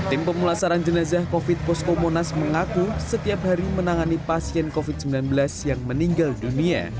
tim pemulasaran jenazah covid sembilan belas posko monas mengaku setiap hari menangani pasien covid sembilan belas yang meninggal dunia